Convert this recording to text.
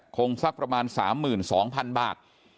สักประมาณ๓๒๐๐๐บาท